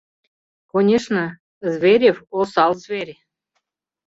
Конечно, Зверев осал зверь.